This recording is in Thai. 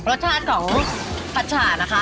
รสชาติของผัดฉานะคะ